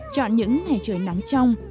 chọn những ngày trời nắng trong